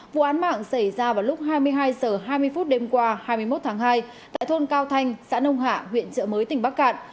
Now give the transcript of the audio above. vụ án mạng xảy ra vào lúc hai mươi hai h hai mươi phút đêm qua hai mươi một tháng hai tại thôn cao thanh xã nông hạ huyện trợ mới tỉnh bắc cạn